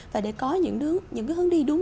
và để có những hướng đi đúng